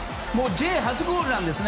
Ｊ初ゴールなんです。